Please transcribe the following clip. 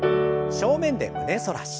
正面で胸反らし。